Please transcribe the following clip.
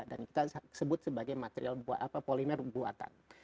dan kita sebut sebagai material polimer buatan